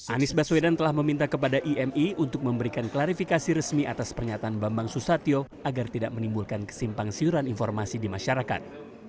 anies baswedan telah meminta kepada imi untuk memberikan klarifikasi resmi atas pernyataan bambang susatyo agar tidak menimbulkan kesimpang siuran informasi di masyarakat